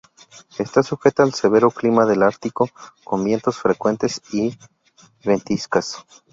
Está sujeta al severo clima del Ártico, con vientos frecuentes y ventiscas.